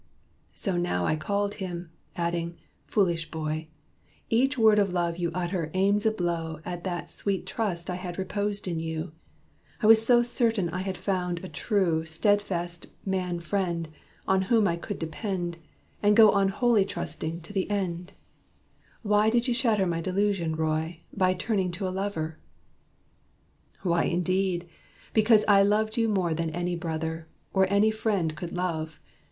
So now I called him, adding, "Foolish boy! Each word of love you utter aims a blow At that sweet trust I had reposed in you. I was so certain I had found a true, Steadfast man friend, on whom I could depend, And go on wholly trusting, to the end. Why did you shatter my delusion, Roy, By turning to a lover?" "Why, indeed! Because I loved you more than any brother, Or any friend could love."